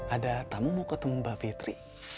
ada tamu mau ketemu mbak fitri